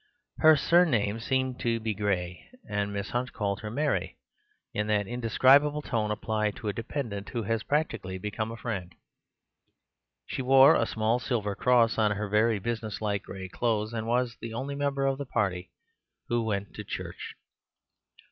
Her surname seemed to be Gray, and Miss Hunt called her Mary, in that indescribable tone applied to a dependent who has practically become a friend. She wore a small silver cross on her very business like gray clothes, and was the only member of the party who went to church.